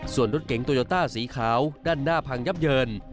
ส่วนรถเก๋งโตโยต้าสีขาวด้านหน้าพังยับเยิน